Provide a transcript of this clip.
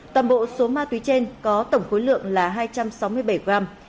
toàn bộ số ma túy trên có tổng khối lượng là hai trăm sáu mươi bảy gram